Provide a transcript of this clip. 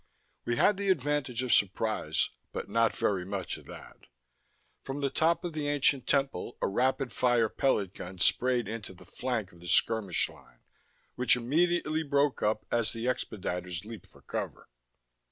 We had the advantage of surprise, but not very much of that. From the top of the ancient temple a rapid fire pellet gun sprayed into the flank of the skirmish line, which immediately broke up as the expediters leaped for cover.